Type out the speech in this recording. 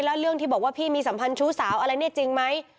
แล้วเรื่องที่บอกว่าพี่มีสัมพันธ์ชู้สาวอะไรเนี่ยจริงไหม